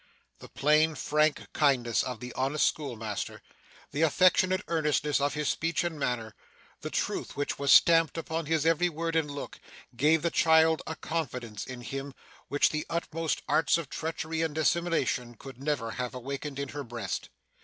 The plain, frank kindness of the honest schoolmaster, the affectionate earnestness of his speech and manner, the truth which was stamped upon his every word and look, gave the child a confidence in him, which the utmost arts of treachery and dissimulation could never have awakened in her breast.